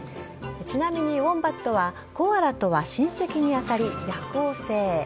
ちなみにウォンバットはコアラとは親戚に当たり夜行性。